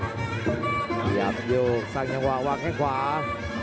เปียบอยู่สั่งอย่างหวางความ